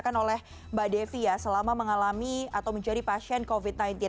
ini adalah hal yang dirasakan oleh mbak devi ya selama mengalami atau menjadi pasien covid sembilan belas